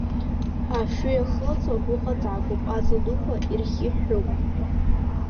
Афҩы иахылҵуа гәыҟаҵагоуп, аҵла дуқәа ирхьыҳәҳәуп.